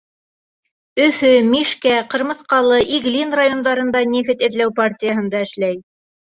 Өфө, Мишкә, Ҡырмыҫҡалы, Иглин райондарында нефть эҙләү партияһында эшләй.